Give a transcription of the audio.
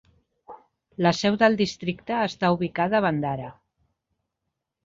La seu del districte està ubicada a Bhandara.